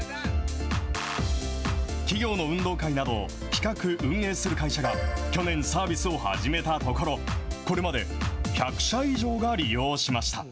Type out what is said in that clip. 企業の運動会など、企画・運営する会社が、去年サービスを始めたところ、これまで、１００社以上が利用しました。